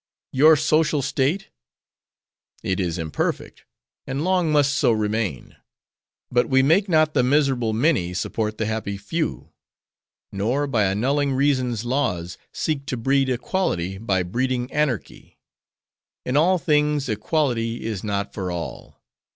"Your social state?" "It is imperfect; and long must so remain. But we make not the miserable many support the happy few. Nor by annulling reason's laws, seek to breed equality, by breeding anarchy. In all things, equality is not for all.